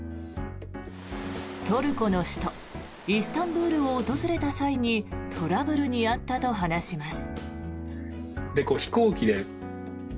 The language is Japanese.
トルコの首都イスタンブールを訪れた際にトラブルに遭ったと話します。